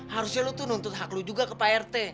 harusnya lo tuh nuntut hak lo juga ke prt